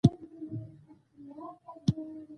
د الفبې: هر سېمبول د یوه فونیم نمایندګي کوي.